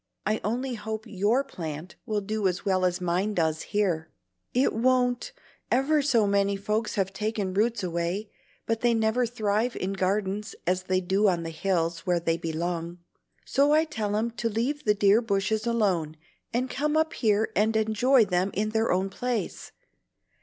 I only hope YOUR plant will do as well as mine does here." "It won't! ever so many folks have taken roots away, but they never thrive in gardens as they do on the hills where they belong. So I tell 'em to leave the dear bushes alone, and come up here and enjoy 'em in their own place.